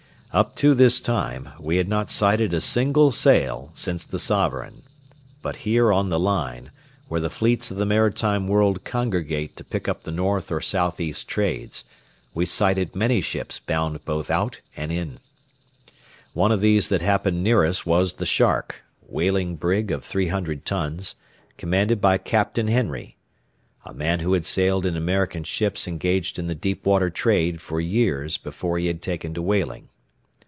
Up to this time, we had not sighted a single sail since the Sovereign; but here on the line, where the fleets of the maritime world congregate to pick up the north or southeast trades, we sighted many ships bound both out and in. One of these that happened near us was the Shark, whaling brig of three hundred tons, commanded by Captain Henry, a man who had sailed in American ships engaged in the deep water trade for years before he had taken to whaling.